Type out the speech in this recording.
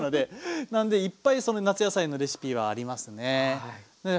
なんでいっぱいその夏野菜のレシピはありますね。